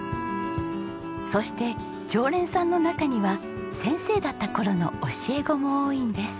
そして常連さんの中には先生だった頃の教え子も多いんです。